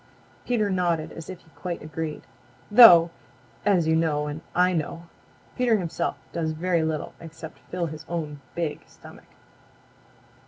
Peter nodded as if he quite agreed. Though, as you know and I know, Peter himself does very little except fill his own big stomach.